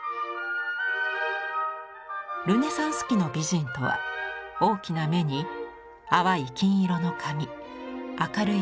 ルネサンス期の美人とは大きな目に淡い金色の髪明るい肌。